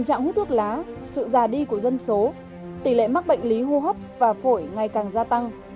của dân số tỷ lệ mắc bệnh lý hô hấp và phổi ngày càng gia tăng